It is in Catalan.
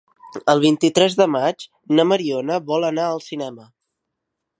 El vint-i-tres de maig na Mariona vol anar al cinema.